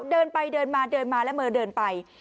เดินไปเดินมาเดินมาแล้วเมอเดินไป